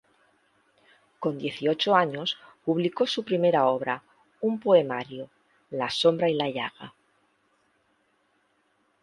Con dieciocho años publicó su primera obra, un poemario: "La sombra y la llaga".